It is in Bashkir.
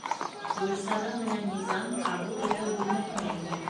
Гөлсара менән Низам ҡабул итеү бүлмәһенә инә.